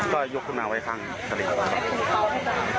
ก็ยกขึ้นมาไว้ข้างสภิกษ์